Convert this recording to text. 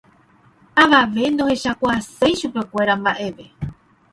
Avave ndohechakuaaséi chupekuéra mbaʼeve.